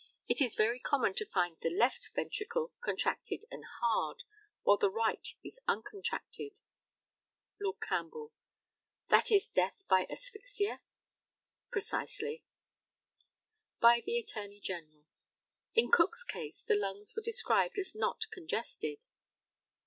It is very common to find the left ventricle contracted and hard, while the right is uncontracted. Lord CAMPBELL: That is death by asphyxia? Precisely. By the ATTORNEY GENERAL: In Cook's case the lungs were described as not congested.